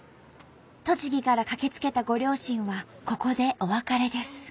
栃木から駆けつけたご両親はここでお別れです。